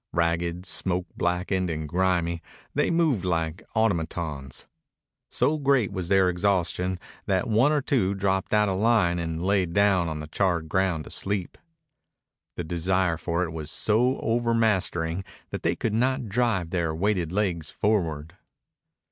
Ragged, smoke blackened, and grimy, they moved like automatons. So great was their exhaustion that one or two dropped out of line and lay down on the charred ground to sleep. The desire for it was so overmastering that they could not drive their weighted legs forward.